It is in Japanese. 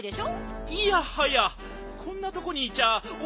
いやはやこんなとこにいちゃお